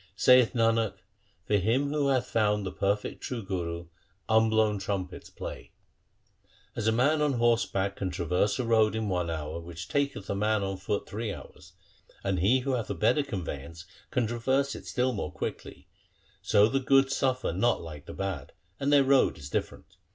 Saith Nanak, for him who hath found the perfect true Guru Unblown trumpets play. 2 ' As a man on horseback can traverse a road in one hour which taketh a man on foot three hours, and he who hath a better conveyance can traverse it still more quickly, so the good suffer not like the bad, and their road is different.